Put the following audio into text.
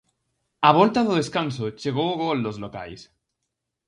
Á volta do descanso chegou o gol dos locais.